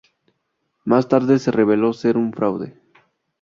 Más tarde se reveló ser un fraude.